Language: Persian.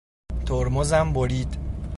ترمزم برید.